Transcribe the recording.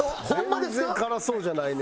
全然辛そうじゃないねんな。